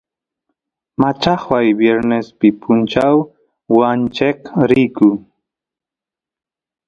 machajuay viernespi punchaw wancheq riyku